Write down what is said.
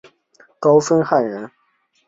高凤翰人。